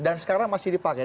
dan sekarang masih dipakai